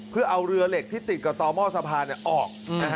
เพื่อเอาเรือเหล็กที่ติดกับต่อหม้อสะพานออก